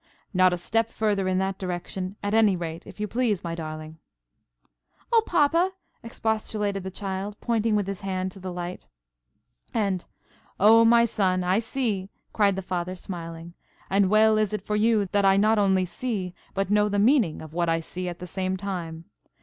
"Not a step further in that direction, at any rate, if you please, my darling." "Oh, papa!" expostulated the child, pointing with his hand to the light. And, "Oh, my son, I see!" cried the Father, smiling; "and well is it for you that I not only see, but know the meaning of what I see at the same time.